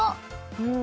うん。